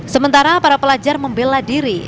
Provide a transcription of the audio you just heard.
sementara para pelajar membela diri